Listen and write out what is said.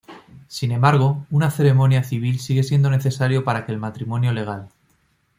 Sin embargo, una ceremonia civil sigue siendo necesario para que el matrimonio legal.